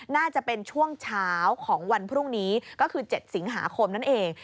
น่าจะเป็นช่วงเช้าของวันพรุ่งนี้ก็คือ๗สิงหาคมนั่นเอง